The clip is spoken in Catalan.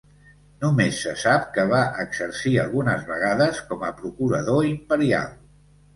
Només se sap que va exercir algunes vegades com a procurador imperial.